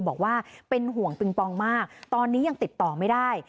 บอกว่าเป็นห่วงปิงปองมากตอนนี้ยังติดต่อไม่ได้